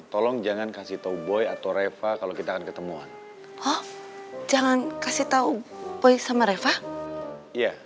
tolong jangan kasih tau boy atau reva kalau kita akan ketemuan oh jangan kasih tahu boy sama reva ya